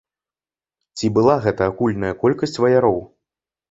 Ці была гэта агульная колькасць ваяроў?